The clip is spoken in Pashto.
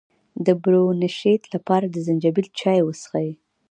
د برونشیت لپاره د زنجبیل چای وڅښئ